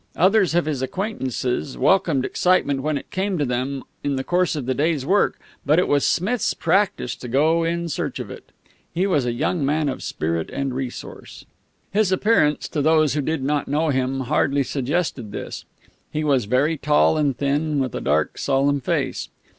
Others of his acquaintances welcomed excitement when it came to them in the course of the day's work, but it was Smith's practise to go in search of it. He was a young man of spirit and resource. His appearance, to those who did not know him, hardly suggested this. He was very tall and thin, with a dark, solemn face.